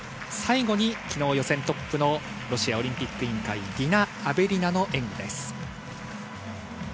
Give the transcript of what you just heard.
そして最後に昨日、予選トップのロシアオリンピック委員会ディナ・アベリナの演技です。